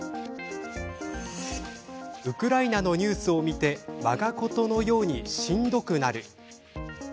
ウクライナのニュースを見てわがことのようにしんどくなる。